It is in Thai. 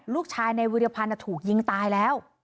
ลูกชายในวิรพันธ์ถูกยิงตายแล้ว